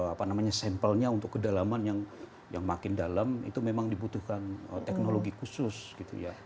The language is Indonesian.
apa namanya sampelnya untuk kedalaman yang makin dalam itu memang dibutuhkan teknologi khusus gitu ya